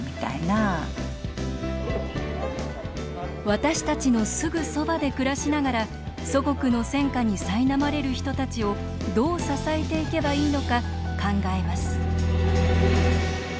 私たちのすぐそばで暮らしながら、祖国の戦禍にさいなまれる人たちをどう支えていけばいいのか考えます